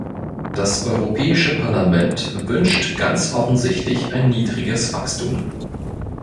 Das Europäische Parlament wünscht ganz offensichtlich ein niedriges Wachstum.